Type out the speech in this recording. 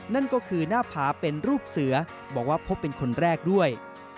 นั่นก็คือหน้าผาเป็นรูปเสือบอกว่าพบเป็นคนแรกด้วย